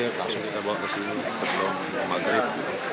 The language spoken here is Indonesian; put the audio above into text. alhamdulillah sangat bersyukur dengan kondisi saya ini juga sehat